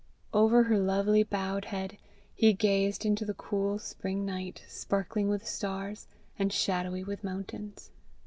Over her lovely bowed head, he gazed into the cool spring night, sparkling with stars, and shadowy with mountains.